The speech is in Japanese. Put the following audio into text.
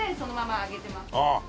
ああ。